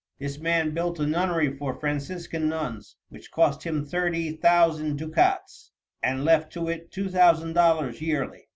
This man built a nunnery for Franciscan nuns, which cost him thirty thousand ducats, and left to it two thousand dollars yearly.